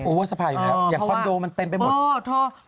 โอเวอร์สะพายอยู่ไหนครับอย่างคอนโดมันเต็มไปหมด